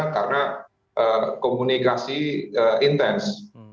karena komunikasi intens